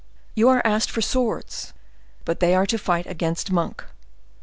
You are asked for swords, but they are to fight against Monk.